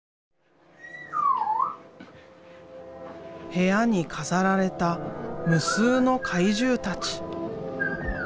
部屋に飾られた無数の怪獣たち。